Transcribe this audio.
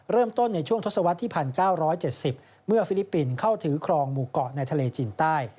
เริ่มต้นในช่วงทศวรรษที่๑๙๗๐เมื่อฟิลิปปินส์เข้าถือครองหมู่เกาะในทะเลจีนใต้